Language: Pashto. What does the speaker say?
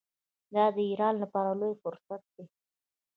دا د ایران لپاره لوی فرصت دی.